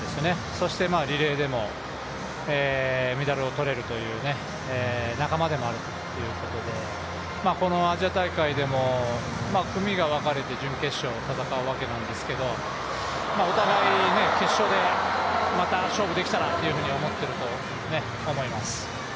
そしてリレーでもメダルを取れるという仲間でもあるということでこのアジア大会でも組が分かれて準決勝戦うわけなんですけどお互いに決勝でまた勝負できたらと思っていると思います。